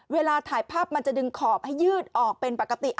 เวลาถ่ายภาพมันจะดึงขอบให้ยืดออกเป็นปกติ